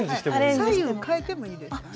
左右変えてもいいですね。